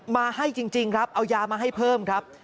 มาให้จริงครับเอายามาให้เพิ่มครับ